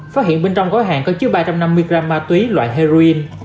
phát hiện bên trong gói hàng có chứa ba trăm năm mươi gram ma túy loại heroin